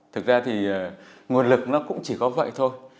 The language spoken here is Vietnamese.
thực ra thì nguồn lực nó cũng chỉ có vậy thôi